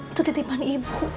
itu titipan ibu